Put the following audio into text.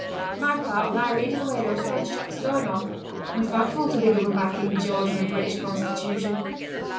For my part, when I read o' the way those French chaps are going on, I'm thankful to be governed by King George and a British Constitution.'